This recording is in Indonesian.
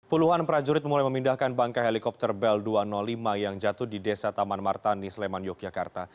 puluhan prajurit mulai memindahkan bangka helikopter bel dua ratus lima yang jatuh di desa taman martani sleman yogyakarta